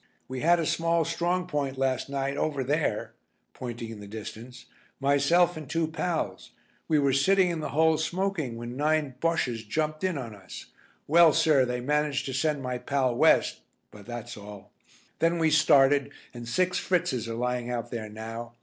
"We had a small strong point last night over there," pointing in the distance, "myself and two pals. We were sitting in the hole smoking when nine Bosches jumped in on us. Well, sir, they managed to send my pal West, but that's all. Then we started and six Fritzes are lying out there now.